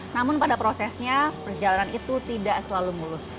namun pada prosesnya perjalanan itu tidak selalu mulus